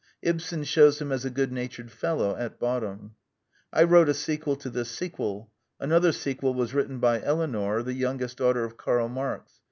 Ibsen shews him as a good natured fellow at bottom. I wrote a sequel to this sequel. An other sequel was written by Eleanor, the youngest daughter of Karl Marx.